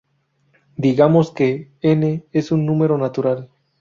Digamos que "n" es un número natural.